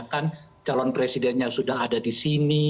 kan calon presidennya sudah ada di sini